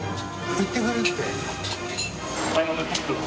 行ってくれるって。